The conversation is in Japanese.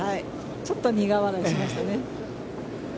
ちょっと苦笑いしましたね。